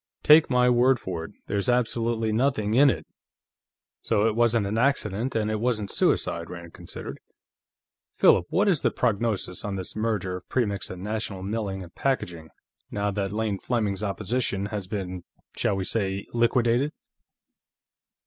"Take my word for it, there's absolutely nothing in it." "So it wasn't an accident, and it wasn't suicide," Rand considered. "Philip, what is the prognosis on this merger of Premix and National Milling & Packaging, now that Lane Fleming's opposition has been, shall we say, liquidated?"